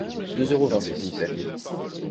Deux euros vingt, s’il vous plaît.